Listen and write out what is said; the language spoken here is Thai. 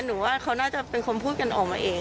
หนูว่าเขาน่าจะเป็นคนพูดกันออกมาเอง